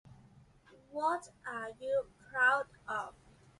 What are you proud of?